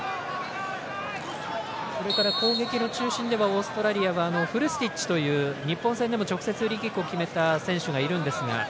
それから攻撃の中心ではオーストラリアにはフルスティッチという日本戦でも直接、フリーキックを決めた選手がいるんですが。